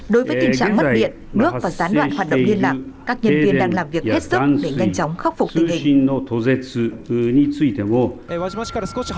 đối với tình trạng mất điện nước và gián đoạn hoạt động liên lạc các nhân viên đang làm việc hết sức để nhanh chóng khắc phục tình hình